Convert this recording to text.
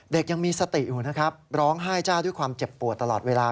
ยังมีสติอยู่นะครับร้องไห้จ้าด้วยความเจ็บปวดตลอดเวลา